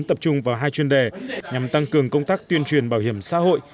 tập trung vào hai chuyên đề nhằm tăng cường công tác tuyên truyền bảo hiểm xã hội